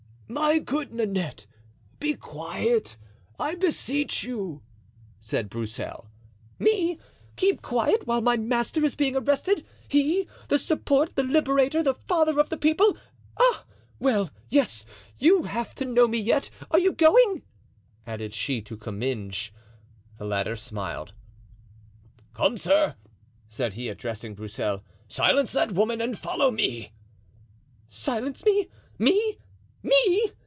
"My good Nanette, be quiet, I beseech you," said Broussel. "Me! keep quiet while my master is being arrested! he, the support, the liberator, the father of the people! Ah! well, yes; you have to know me yet. Are you going?" added she to Comminges. The latter smiled. "Come, sir," said he, addressing Broussel, "silence that woman and follow me." "Silence me! me! me!"